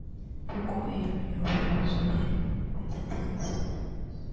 kuko iyo myobo yuzura bidatinze